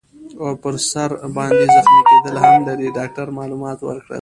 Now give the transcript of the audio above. او پر سر باندي زخمي کیدل هم لري. ډاکټر معلومات ورکړل.